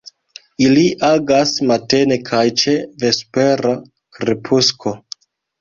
Ili agas matene kaj ĉe vespera krepusko.